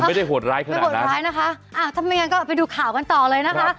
ผมไม่ได้หวดร้ายขนาดนั้นครับถ้ามันงั้นก็ไปดูข่ากันต่อเลยนะคะ